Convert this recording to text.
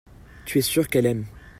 tu es sûr qu'elle aime.